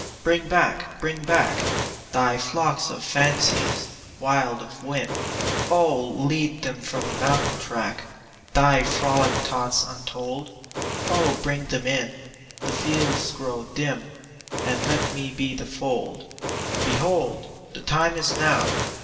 Bring back, bring back Thy flocks of fancies, wild of whim. Oh lead them from the mountain track Thy frolic thoughts untold. Oh bring them in the fields grow dim And let me be the fold. Behold, The time is now!